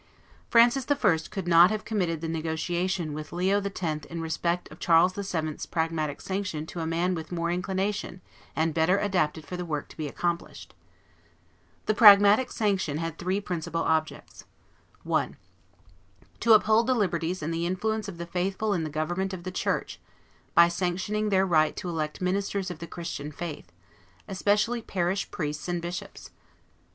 Francis I. could not have committed the negotiation with Leo X. in respect of Charles VII.'s Pragmatic Sanction to a man with more inclination and better adapted for the work to be accomplished. The Pragmatic Sanction had three principal objects: 1. To uphold the liberties and the influence of the faithful in the government of the church, by sanctioning their right to elect ministers of the Christian faith, especially parish priests and bishops; 2.